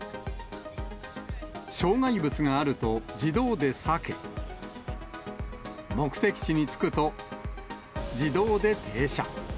障害物があると自動で避け、目的地に着くと、自動で停車。